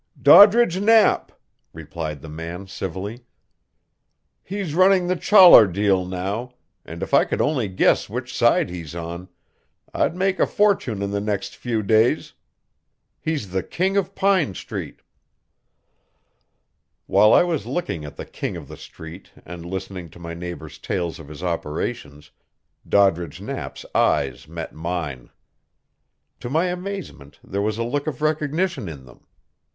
"Doddridge Knapp," replied the man civilly. "He's running the Chollar deal now, and if I could only guess which side he's on, I'd make a fortune in the next few days. He's the King of Pine Street." While I was looking at the King of the Street and listening to my neighbor's tales of his operations, Doddridge Knapp's eyes met mine. To my amazement there was a look of recognition in them.